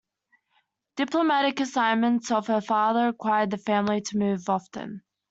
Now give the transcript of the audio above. Diplomatic assignments of her father required the family to move often.